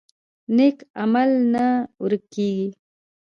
نیک عمل نه ورک کیږي